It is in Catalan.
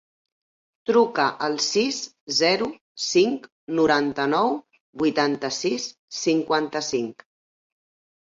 Truca al sis, zero, cinc, noranta-nou, vuitanta-sis, cinquanta-cinc.